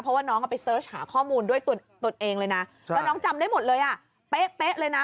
เพราะว่าน้องเอาไปเสิร์ชหาข้อมูลด้วยตนเองเลยนะแล้วน้องจำได้หมดเลยอ่ะเป๊ะเลยนะ